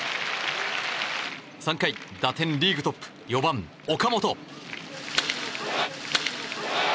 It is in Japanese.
３回、打点リーグトップ４番、岡本。